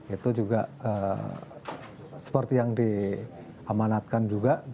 itu juga seperti yang diamanatkan juga